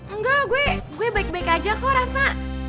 enggak gue baik baik aja kok rahma